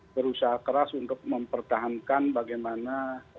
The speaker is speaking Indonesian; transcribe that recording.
berusaha keras untuk mempertahankan bagaimana